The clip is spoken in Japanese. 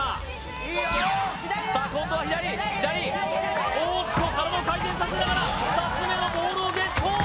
・いいよさあ今度は左左おっと体を回転させながら２つ目のボールをゲット！